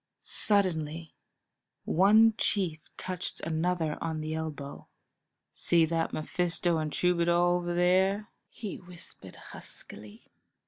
Suddenly one chief touched another on the elbow. "See that Mephisto and troubadour over there?" he whispered huskily.